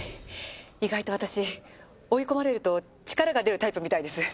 意外と私追い込まれると力が出るタイプみたいです。